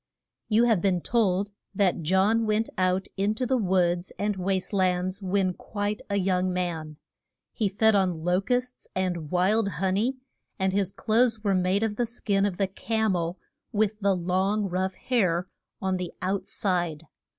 YOU have been told that John went out in to the woods and waste lands when quite a young man. He fed on lo custs and wild hon ey, and his clothes were made of the skin of the cam el, with the long rough hair on the out side.